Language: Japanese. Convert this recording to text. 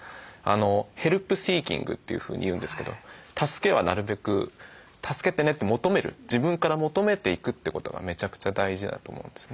ヘルプシーキングというふうに言うんですけど助けはなるべく「助けてね」って求める自分から求めていくってことがめちゃくちゃ大事だと思うんですね。